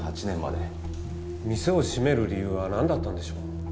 店を閉める理由はなんだったんでしょう？